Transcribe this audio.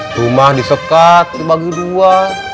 rumah disekat dibagi dua